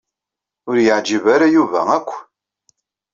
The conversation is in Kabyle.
Ur iyi-yeɛjeb ara Yuba akk.